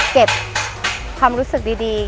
เก็บความรู้สึกดี